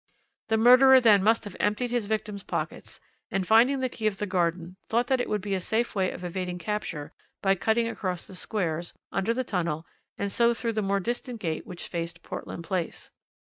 The murderer then must have emptied his victim's pockets, and, finding the key of the garden, thought that it would be a safe way of evading capture by cutting across the squares, under the tunnel, and so through the more distant gate which faced Portland Place.